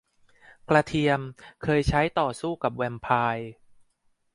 กระเทียมเคยใช้ต่อสู้กับแวมไพร์